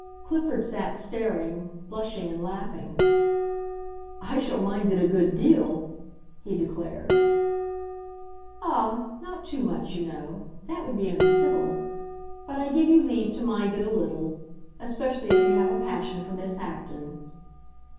Clifford sat staring, blushing and laughing. "I shall mind it a good deal!" he declared. "Ah, not too much, you know; that would be uncivil. But I give you leave to mind it a little; especially if you have a passion for Miss Acton.